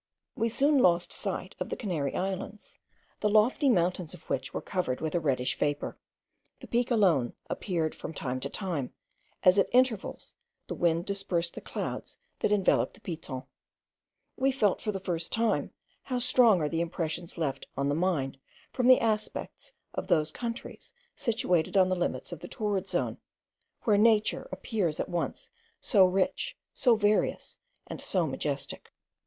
We soon lost sight of the Canary Islands, the lofty mountains of which were covered with a reddish vapour. The Peak alone appeared from time to time, as at intervals the wind dispersed the clouds that enveloped the Piton. We felt, for the first time, how strong are the impressions left on the mind from the aspect of those countries situated on the limits of the torrid zone, where nature appears at once so rich, so various, and so majestic.